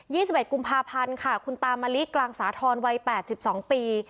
ี่สิบเอ็ดกุมภาพันธ์ค่ะคุณตามะลิกลางสาธรณ์วัยแปดสิบสองปี